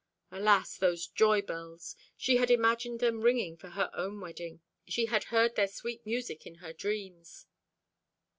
Alas, those joy bells! She had imagined them ringing for her own wedding; she had heard their sweet music in her dreams.